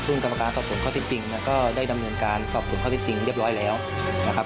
ซึ่งกรรมการสอบส่วนข้อที่จริงเนี่ยก็ได้ดำเนินการสอบสวนข้อที่จริงเรียบร้อยแล้วนะครับ